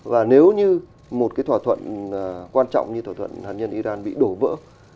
và nếu như một cái thỏa thuận quan trọng như thỏa thuận hạt nhân iran bị đổ vỡ